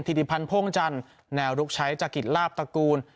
ธิริพันธ์พ่วงจันทร์แนวลุกใช้จากกิจลาบตระกูล